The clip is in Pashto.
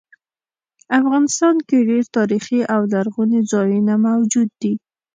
افغانستان کې ډیر تاریخي او لرغوني ځایونه موجود دي